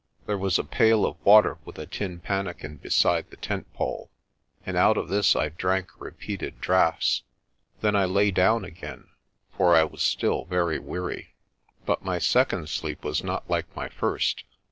There was a pail of water with a tin pannikin be side the tent pole, and out of this I drank repeated draughts. Then I lay down again, for I was still very weary. But my second sleep was not like my first.